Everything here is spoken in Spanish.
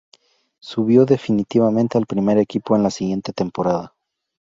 Subió definitivamente al primer equipo en la siguiente temporada.